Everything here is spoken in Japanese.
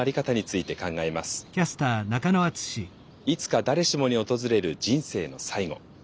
いつか誰しもに訪れる人生の最期。